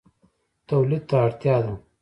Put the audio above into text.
تولید ته اړتیا ده